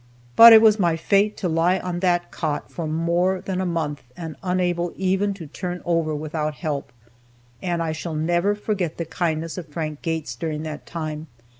But it was my fate to lie on that cot for more than a month, and unable even to turn over without help. And I shall never forget the kindness of Frank Gates during that time.